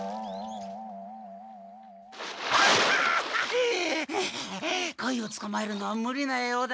プハ！はあコイをつかまえるのはムリなようだ。